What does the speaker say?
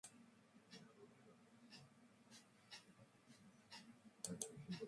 და ბოლო, ექვს დამატებული ერთი.